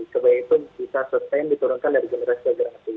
supaya itu bisa sustain diturunkan dari generasi ke generasi